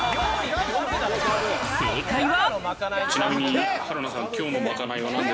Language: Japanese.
正解は。